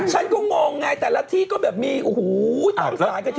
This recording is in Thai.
ฉันก็งงไงแต่ละที่ก็แบบมีโอ้โห